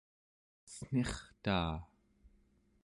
cen̄irtaa